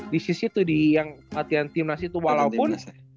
di sis itu di latihan timnas itu walaupun